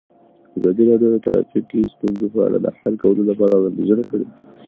ازادي راډیو د ټرافیکي ستونزې په اړه د حل کولو لپاره وړاندیزونه کړي.